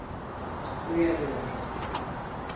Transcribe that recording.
Uyarıyorum.